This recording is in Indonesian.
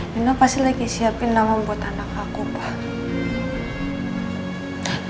mino pasti lagi siapin nama buat anak aku pak